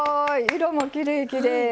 色もきれいきれい！